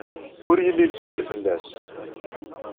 Ur yelli lettkal fell-as.